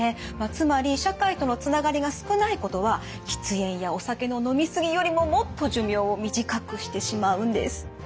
つまり社会とのつながりが少ないことは喫煙やお酒の飲み過ぎよりももっと寿命を短くしてしまうんです。